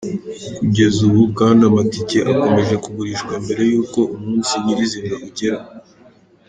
Kugeza ubu kandi amatike akomeje kugurishwa mbere y’uko umunsi nyir’izina ugera.